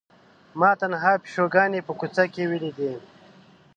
ما نهه پیشوګانې په کوڅه کې ولیدې.